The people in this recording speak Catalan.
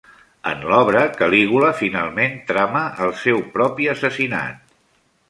En l'obra, Calígula finalment trama el seu propi assassinat.